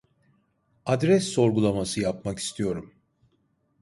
Adres sorgulaması yapmak istiyorum